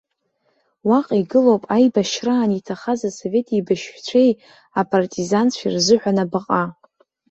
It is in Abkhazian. Уаҟа игылоуп аибашьраан иҭахаз асовет еибашьыҩцәеи апартизанцәеи рзыҳәан абаҟа.